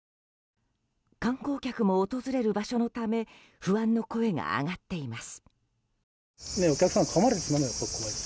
観光客も訪れる場所のため不安の声が上がっています。